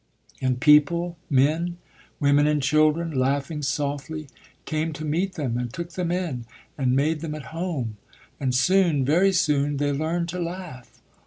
And people, men, women and children, laughing softly, came to meet them, and took them in, and made them at home; and soon, very soon, they learned to laugh.